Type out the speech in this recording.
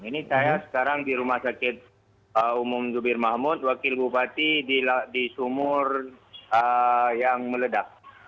ini saya sekarang di rumah sakit umum zubir mahmud wakil bupati di sumur yang meledak